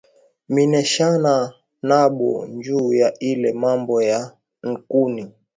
Mineshana nabo nju ya ile mambo ya nkuni